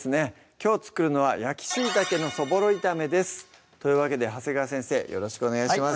きょう作るのは「焼きしいたけのそぼろ炒め」ですというわけで長谷川先生よろしくお願いします